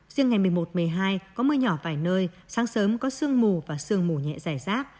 riêng ngày một mươi một một mươi hai có mưa nhỏ vài nơi sáng sớm có sương mù và sương mù nhẹ dài rác